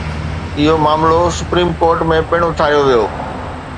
اهو معاملو supreme court ۾ پڻ اٿاريو ويو.